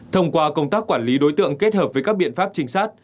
thông qua công tác quản lý đối tượng kết hợp với các biện pháp trinh sát